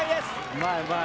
うまいうまい。